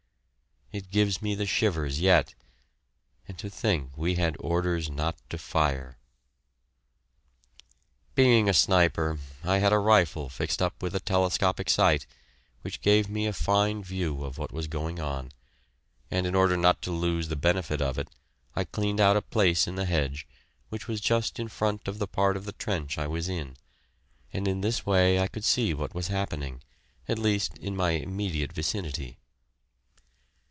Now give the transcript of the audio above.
It gives me the shivers yet! And to think we had orders not to fire! Being a sniper, I had a rifle fixed up with a telescopic sight, which gave me a fine view of what was going on, and in order not to lose the benefit of it, I cleaned out a place in a hedge, which was just in front of the part of the trench I was in, and in this way I could see what was happening, at least in my immediate vicinity.